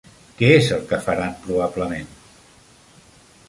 Què és el que faran probablement?